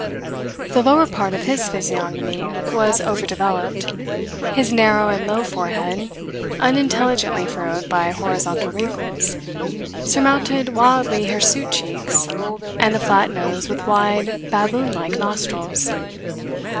The lower part of his physiognomy was over developed; his narrow and low forehead, unintelligently furrowed by horizontal wrinkles, surmounted wildly hirsute cheeks and a flat nose with wide, baboon like nostrils.